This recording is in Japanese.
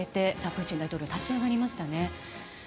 プーチン大統領立ち上がりました。